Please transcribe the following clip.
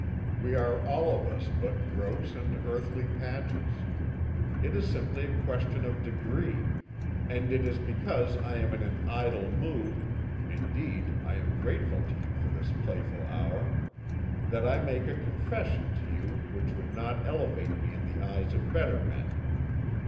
We are all of us but gross and earthly patches. It is simply a question of degree, and it is because I am in an idle mood indeed, I am grateful to you for this playful hour that I make a confession to you which would not elevate me in the eyes of better men.